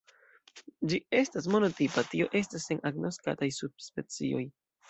Ĝi estas monotipa, tio estas sen agnoskataj subspecioj.